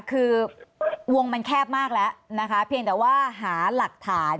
คือวงมันแคบมากแล้วนะคะเพียงแต่ว่าหาหลักฐาน